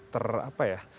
ter apa ya